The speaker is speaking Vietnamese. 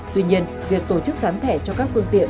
tuy nhiên việc tổ chức dán thẻ cho các phương tiện